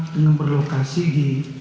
dengan berlokasi di